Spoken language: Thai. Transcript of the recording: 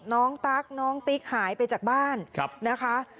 ตั๊กน้องติ๊กหายไปจากบ้านนะคะ